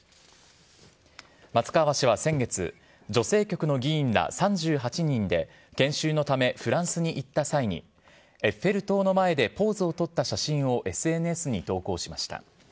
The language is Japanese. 松川氏は先月、女性局の議員ら３８人で研修のためフランスに行った際に、エッフェル塔の前でポーズをとった写真をＳＮＳに投稿しました。